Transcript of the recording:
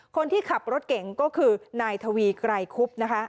คนที่ขับรถเก่งก็คือนายทวีไกรคุบนะคะ